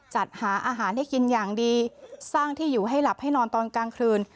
จัดหาอาหารให้กินอย่างดีสร้างที่อยู่ให้หลับให้นอนตอนกลางคืน